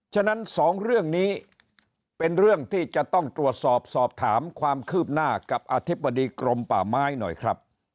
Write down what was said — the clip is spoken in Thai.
ฉะนั้นสองเรื่องนี้เป็นเรื่องที่จะต้องตรวจสอบสอบถามความคืบหน้ากับอธิบดีกรมป่าไม้หน่อยครับ